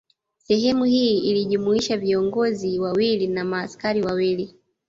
Sehemu hii ilijumlisha viongozi wawili na maaskari wawili